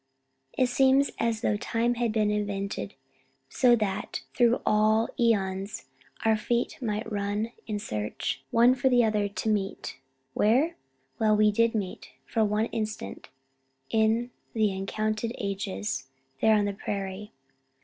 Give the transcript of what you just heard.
It seems as though time had been invented so that, through all its æons, our feet might run in search, one for the other to meet, where? Well, we did meet for one instant in the uncounted ages, there on the prairie.